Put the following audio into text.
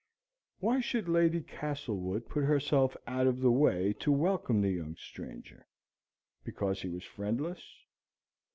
Why should Lady Castlewood put herself out of the way to welcome the young stranger? Because he was friendless?